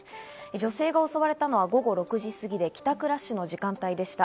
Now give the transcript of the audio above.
女性が襲われたのは午後６時過ぎで、帰宅ラッシュの時間帯でした。